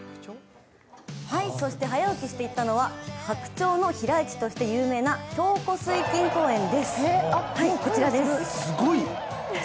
早起きして行ったのは、白鳥の飛来地として有名な瓢湖水きん公園です。